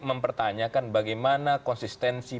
mempertanyakan bagaimana konsistensi